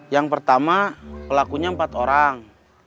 yang pertama pelakunya empat orang